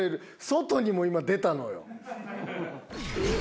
外にも今出たのよ。